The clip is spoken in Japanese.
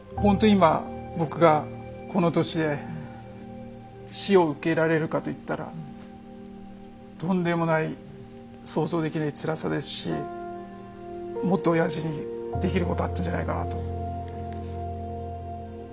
今僕がこの年で死を受け入れられるかといったらとんでもない想像できないつらさですしもっとおやじにできることあったんじゃないかなと。